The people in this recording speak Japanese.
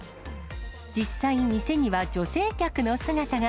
実際、店には女性客の姿が。